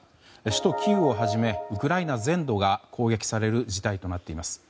首都キーウをはじめウクライナ全土が攻撃される事態となっています。